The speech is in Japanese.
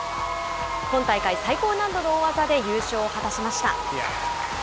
今大会、最高難度の大技で優勝を果たしました。